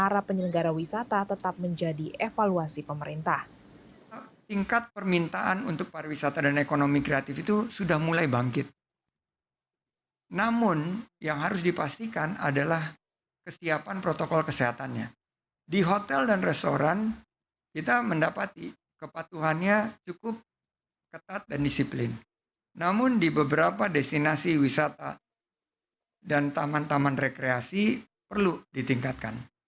dan kemampuan kesehatan oleh para penyelenggara wisata tetap menjadi evaluasi pemerintah